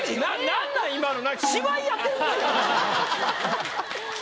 何なん今の。